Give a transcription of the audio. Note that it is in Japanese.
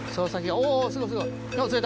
おぉすごいすごい。